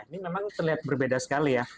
ini memang terlihat berbeda sekali ya